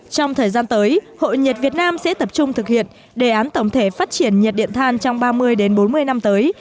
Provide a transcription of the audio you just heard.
trong thời gian tới hội nhiệt việt nam sẽ tập trung thực hiện đề án tổng thể phát triển nhiệt điện than trong ba mươi bốn mươi năm tới